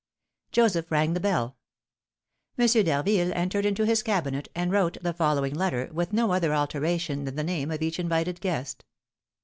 Joseph rang the bell. M. d'Harville entered into his cabinet, and wrote the following letter, with no other alteration than the name of each invited guest.